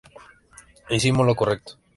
Hicimos lo correcto.